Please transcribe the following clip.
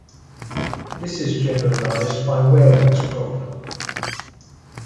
This is generalized by Waring's problem.